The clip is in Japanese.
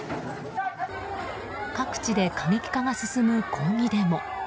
各地で過激化が進む抗議デモ。